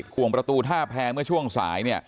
ขวงประตูท่าแพรเมื่อช่วงสาย